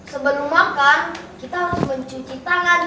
sebelum makan kita harus mencuci tangan